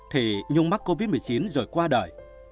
thì nhung mắc covid một mươi chín rồi qua đời